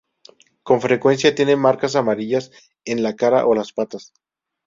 Con frecuencia tienen marcas amarillas en la cara o las patas.